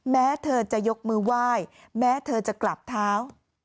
แม้เธอจะยกมือไหว้แม้เธอจะกลับเท้า